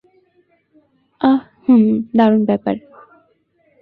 আহ, হুম, দারুণ ব্যাপার।